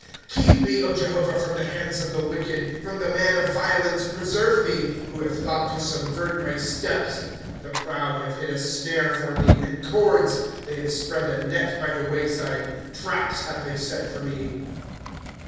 * Keep me, Jehovah, from the hands of the wicked ; From the man of violence preserve me ; "Who have thought to subvert my steps, ^ The proud have hid a snare for me, and cords ; They have spread a net by the way side ; Traps have they set for me.